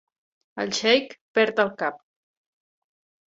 El xeic perd el cap.